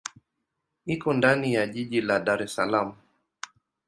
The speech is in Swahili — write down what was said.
Iko ndani ya jiji la Dar es Salaam.